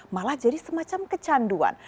malah jadi semacam kecanduan